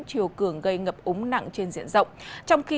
chiều cường gây ngập úng nặng trên diện rộng